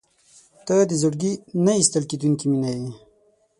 • ته د زړګي نه ایستل کېدونکې مینه یې.